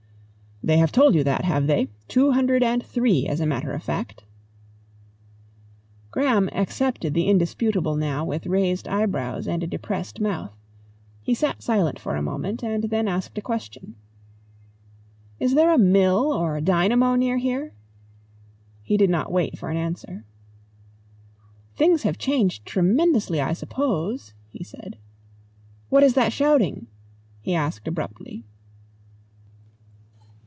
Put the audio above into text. "They have told you that, have they? Two hundred and three, as a matter of fact." Graham accepted the indisputable now with raised eyebrows and depressed mouth. He sat silent for a moment, and then asked a question, "Is there a mill or dynamo near here?" He did not wait for an answer. "Things have changed tremendously, I suppose?" he said. "What is that shouting?" he asked abruptly.